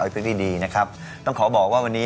พลังบางที